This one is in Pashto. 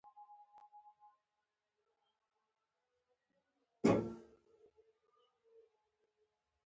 د ژبي خدمت کول ډیر اسانه کار دی.